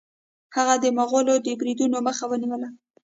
هغه د مغولو د بریدونو مخه ونیوله.